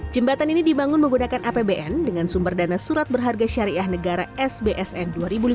jembatan ini dibangun menggunakan apbn dengan sumber dana surat berharga syariah negara sbsn dua ribu lima belas dua ribu dua puluh satu